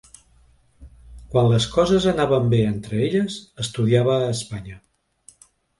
Quan les coses anaven bé entre elles, estudiava a Espanya.